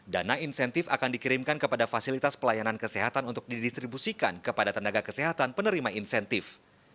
dana insentif akan dikirimkan kepada fasilitas pelayanan kesehatan untuk didistribusikan kepada tenaga kesehatan penerima insentif